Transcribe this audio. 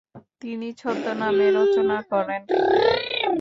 তিনি ছদ্মনামে রচনা করেন ।